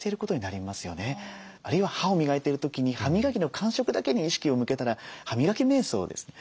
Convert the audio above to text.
あるいは歯を磨いている時に歯磨きの感触だけに意識を向けたら歯磨きめい想です。